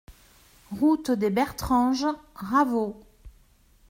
Route des Bertranges, Raveau